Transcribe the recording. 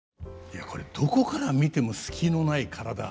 いやこれどこから見ても隙のない体。